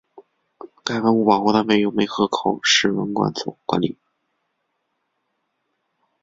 该文物保护单位由梅河口市文管所管理。